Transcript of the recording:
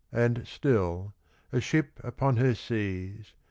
And still, a ship upon her seas.